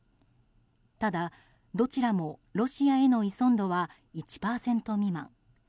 ただ、どちらもロシアへの依存度は１％未満。